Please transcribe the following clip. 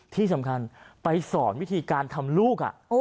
ที่สำคัญไปสอนวิธีการทำลูก